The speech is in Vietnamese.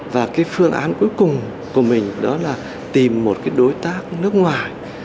và cái phương án cuối cùng của mình đó là tìm một cái đối tác nước ngoài